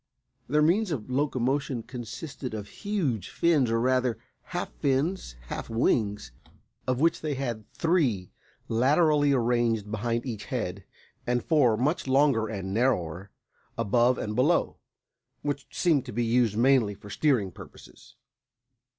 Their means of locomotion consisted of huge fins, or rather half fins, half wings, of which they had three laterally arranged behind each head, and four much longer and narrower, above and below, which seemed to be used mainly for steering purposes.